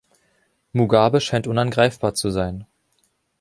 Mugabe scheint unangreifbar zu sein.